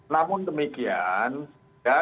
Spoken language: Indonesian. namun demikian sudah